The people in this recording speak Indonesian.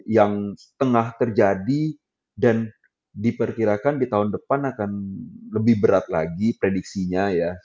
yang setengah terjadi dan diperkirakan di tahun depan akan lebih berat lagi prediksinya ya